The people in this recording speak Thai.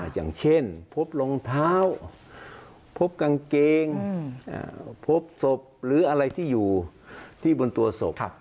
อย่างเช่นพบรองเท้าพบกางเกงพบศพหรืออะไรที่อยู่ที่บนตัวศพ